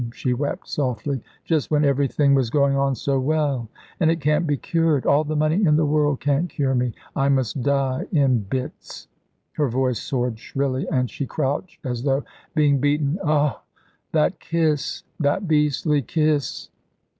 she wept softly; "just when everything was going on so well. And it can't be cured; all the money in the world can't cure me. I must die in bits"; her voice soared shrilly, and she crouched, as though being beaten. "Ugh! That kiss, that beastly kiss!"